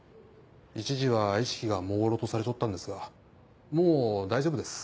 一時は意識が朦朧とされちょったんですがもう大丈夫です。